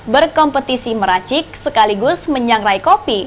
berkompetisi meracik sekaligus menyangrai kopi